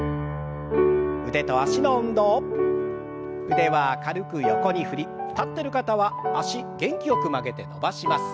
腕は軽く横に振り立ってる方は脚元気よく曲げて伸ばします。